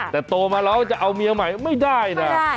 แต่โตมาแล้วจะเอาเมียใหม่ไม่ได้นะ